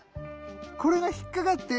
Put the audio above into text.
これが引っ掛かって。